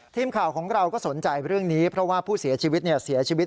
ทีมข่าวของเราก็สนใจเรื่องนี้เพราะว่าผู้เสียชีวิตเสียชีวิต